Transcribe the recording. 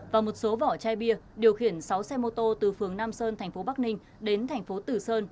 và một số vỏ chai bia điều khiển sáu xe mô tô từ phường nam sơn thành phố bắc ninh đến thành phố tử sơn